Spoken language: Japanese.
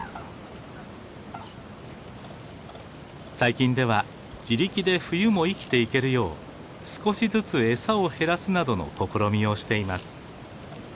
最近では自力で冬も生きていけるよう少しずつ餌を減らすなどの試みをしています。